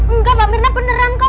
enggak pak mirna beneran kok